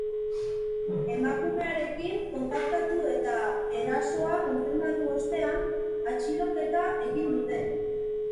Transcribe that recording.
Emakumearekin kontaktatu eta erasoa konfirmatu ostean, atxiloketa egin dute.